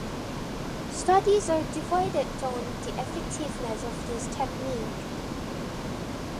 Studies are divided on the effectiveness of this technique.